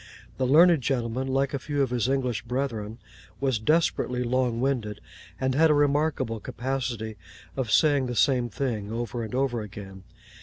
The learned gentleman (like a few of his English brethren) was desperately long winded, and had a remarkable capacity of saying the same thing over and over again.